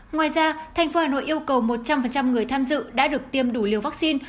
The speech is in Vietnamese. ngoài ra thành phố hà nội yêu cầu một trăm linh người tham dự đã được tiêm đủ liều vaccine